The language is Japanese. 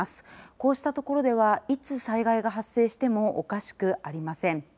こうした所ではいつ災害が発生してもおかしくありません。